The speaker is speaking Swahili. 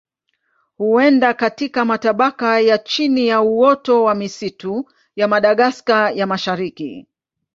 Huenda katika matabaka ya chini ya uoto wa misitu ya Madagaska ya Mashariki.